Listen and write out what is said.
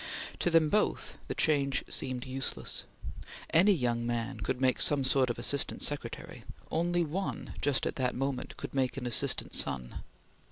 To them both, the change seemed useless. Any young man could make some sort of Assistant Secretary; only one, just at that moment, could make an Assistant Son.